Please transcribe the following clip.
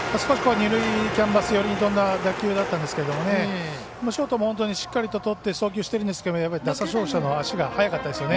二塁キャンバス寄りに飛んだ打球だったんですがショートもしっかりととって送球してますけど打者走者の足が速かったですね。